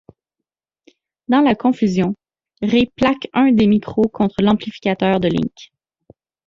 Dans la confusion, Ray plaque un des micros contre l'amplificateur de Link.